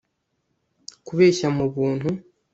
kubeshya mu buntu